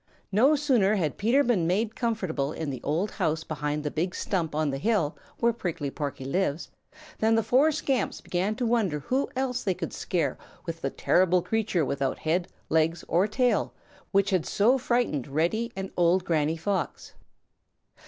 No sooner had Peter been made comfortable in the old house behind the big stump on the hill where Prickly Porky lives than the four scamps began to wonder who else they could scare with the terrible creature without head, legs, or tail which had so frightened Reddy and Old Granny Fox.